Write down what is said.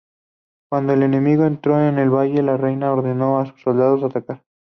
Cuando el enemigo entró en el valle, la reina ordenó a sus soldados atacar.